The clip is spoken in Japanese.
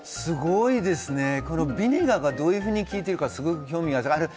ビネガーがどういうふうに効いているか興味があります。